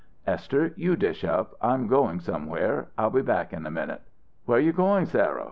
"Esther, you dish up; I'm going somewhere. I'll be back in a minute." "Where you going, Sarah?